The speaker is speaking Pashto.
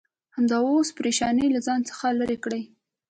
همدا اوس پرېشانۍ له ځان څخه لرې کړه.